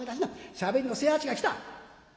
しゃべりの清八が来た」。